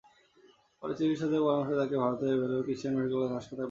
পরে চিকিৎসকদের পরামর্শে তাঁকে ভারতের ভেলোরে ক্রিশ্চিয়ান মেডিকেল কলেজ হাসপাতালে পাঠানো হয়।